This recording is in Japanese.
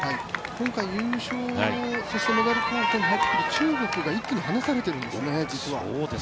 今回優勝、メダル候補に入っている中国が一気に離されているんですね、実は。